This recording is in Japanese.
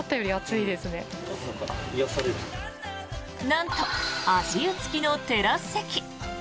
なんと、足湯付きのテラス席。